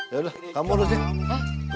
yaudah kamu urus ya